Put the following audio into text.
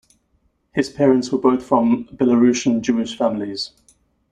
His parents were both from Belarusian Jewish families.